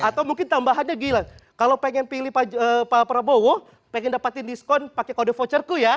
atau mungkin tambahannya gila kalau pengen pilih pak prabowo pengen dapetin diskon pakai kode voucherku ya